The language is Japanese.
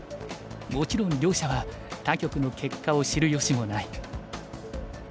もちろん両者は他局の結果を知るよしもない。